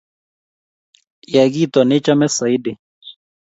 Yay kito nechome Saidi